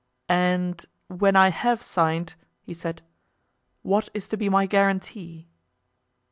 "And when I have signed," he said, "what is to be my guarantee?"